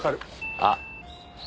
あっ。